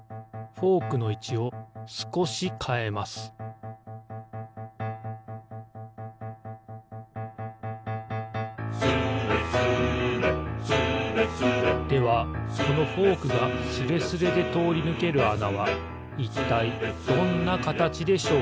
フォークのいちをすこしかえます「スレスレスレスレ」ではこのフォークがスレスレでとおりぬけるあなはいったいどんなかたちでしょうか？